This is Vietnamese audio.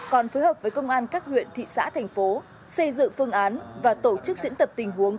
còn phối hợp với công an các huyện thị xã thành phố xây dựng phương án và tổ chức diễn tập tình huống